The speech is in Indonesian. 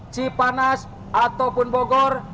cipanas ataupun bogor